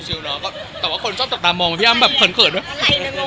ชิวเนอะแต่ว่าคนชอบตรงตามมองพี่อ้าวแบบเหินเขินว่ะ